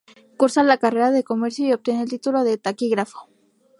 Cursa la carrera de comercio y obtiene el título de taquígrafo.